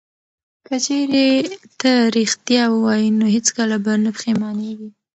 که چیرې ته ریښتیا ووایې نو هیڅکله به نه پښیمانیږې.